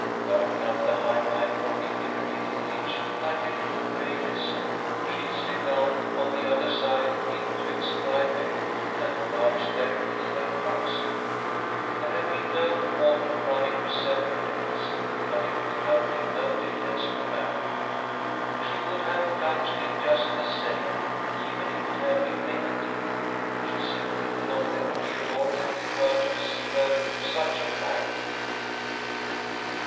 Darting up the high bank of the irrigating ditch like a little gray lizard, she slid down on the other side into its dry bed and crouched there till they passed. There had been no water running for several days, but it would have made no difference to Mary. She would have plunged in just the same, even if it had been neck deep. She simply could not let the adored Little Colonel see her in such a plight.